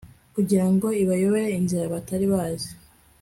kugira ngo ibayobore inzira batari bazi